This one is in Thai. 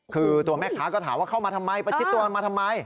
คือตัวแม่ค้าก็ถามว่าเข้ามาทำไมประชิดตัวมันมาทำไม